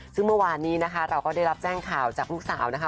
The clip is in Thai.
ซึ่งเมื่อวานนี้นะคะเราก็ได้รับแจ้งข่าวจากลูกสาวนะคะ